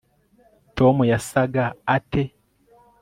tom yasaga ate